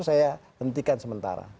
saya hentikan sementara